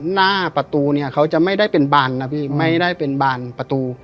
หน้าประตูเนี่ยเขาจะไม่ได้เป็นบานนะพี่ไม่ได้เป็นบานประตู